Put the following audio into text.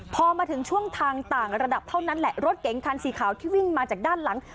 พอมาถึงช่วงทางต่างระดับเท่านั้นแหละรถเก๋งคันสีขาวที่วิ่งมาจากด้านหลัง